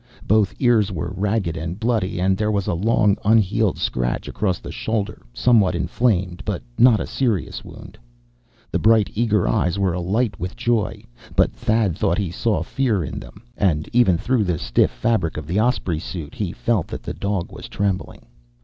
Both ears were ragged and bloody, and there was a long, unhealed scratch across the shoulder, somewhat inflamed, but not a serious wound. The bright, eager eyes were alight with joy. But Thad thought he saw fear in them. And even through the stiff fabric of the Osprey suit, he felt that the dog was trembling.